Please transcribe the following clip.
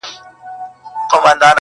گلي نن بيا راته راياده سولې.